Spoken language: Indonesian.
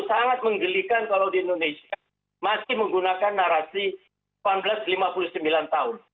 sangat menggelikan kalau di indonesia masih menggunakan narasi delapan belas lima puluh sembilan tahun